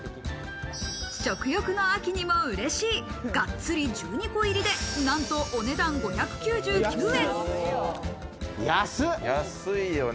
食欲の秋にも嬉しい、がっつり１２個入りでなんと、お値段５９９円。